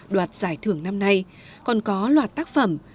đoạt giải thưởng năm nay còn có loạt tác phẩm